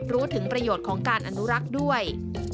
รู้ถึงประโยชน์ของการอนุรักษ์ด้วย